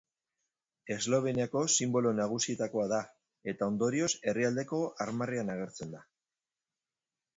Esloveniako sinbolo nagusietakoa da eta ondorioz herrialdeko armarrian agertzen da.